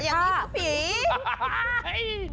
อย่างนี้คือผี